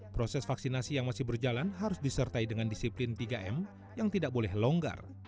proses vaksinasi yang masih berjalan harus disertai dengan disiplin tiga m yang tidak boleh longgar